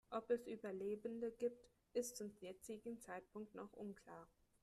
Ob es Überlebende gibt, ist zum jetzigen Zeitpunkt noch unklar.